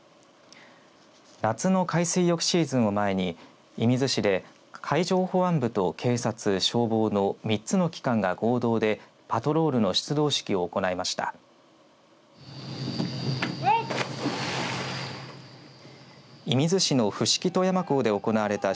夏の海水浴シーズンを前に射水市で、海上保安部と警察、消防の３つの機関が合同でパトロールの出動式を行いました。